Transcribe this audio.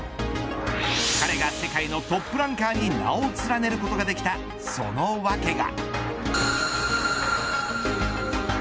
彼が世界のトップランカーに名を連ねることができたそのわけが。